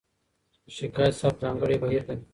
د شکایت ثبت ځانګړی بهیر لري.